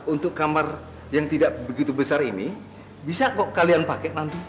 untuk kamar yang tidak begitu besar ini bisa kok kalian pakai nanti